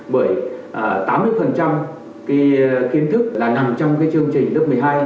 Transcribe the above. bởi tám mươi kiến thức là nằm trong chương trình lớp một mươi hai